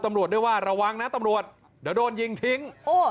ตำรวจด้วยว่าระวังนะตำรวจเดี๋ยวโดนยิงทิ้ง